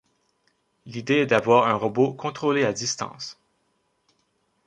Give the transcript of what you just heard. L'idée est d'avoir un robot contrôlé à distance.